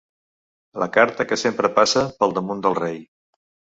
La carta que sempre passa per damunt del rei.